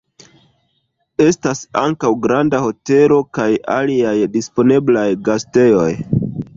Estas ankaŭ granda hotelo kaj aliaj disponeblaj gastejoj.